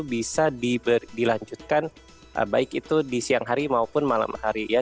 bisa dilanjutkan baik itu di siang hari maupun malam hari ya